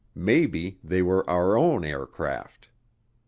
Maybe they were our own aircraft.